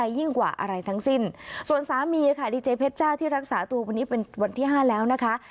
ยิ่งกว่าอะไรทั้งสิ้นส่วนสามีค่ะดีเจเพชจ้าที่รักษาตัววันนี้เป็นวันที่ห้าแล้วนะคะ